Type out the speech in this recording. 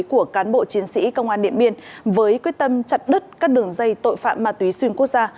của cán bộ chiến sĩ công an điện biên với quyết tâm chặt đứt các đường dây tội phạm ma túy xuyên quốc gia